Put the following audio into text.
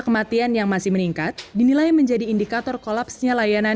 kesulitan saat menjalani isolasi